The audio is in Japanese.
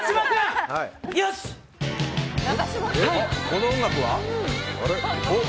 この音楽は。